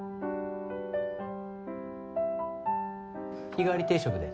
日替わり定食で。